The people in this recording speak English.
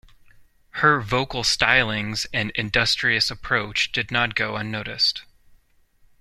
Her vocal stylings and industrious approach did not go unnoticed.